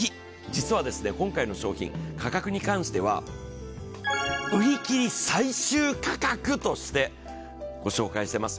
実は今回の商品、価格に関しては売り切り最終価格としてご紹介しています。